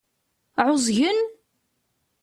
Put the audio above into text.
Ɛuẓgen?